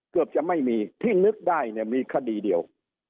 เกือบจะไม่มีที่นึกได้เนี่ยมีคดีเดียว